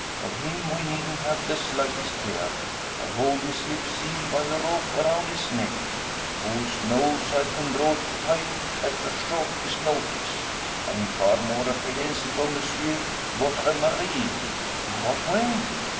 Of him we needn't have the slightest fear. I hold his lips sealed, by a rope around his neck; whose noose I can draw tight at the shortest notice. I am far more apprehensive of Monsieur, votre mari!" "In what way?"